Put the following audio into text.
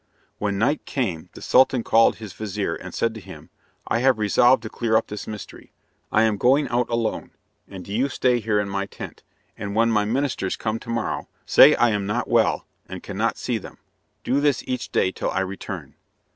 When night came the Sultan called his vizir, and said to him, "I have resolved to clear up this mystery. I am going out alone, and do you stay here in my tent, and when my ministers come to morrow, say I am not well, and cannot see them. Do this each day till I return."